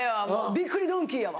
びっくりドンキーやわ。